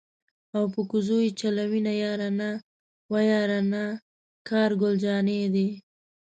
او په کوزو یې چلوینه یاره نا وه یاره نا کار ګل جانی دی.